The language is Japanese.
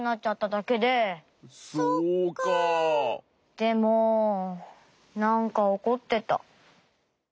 でもなんかおこってた。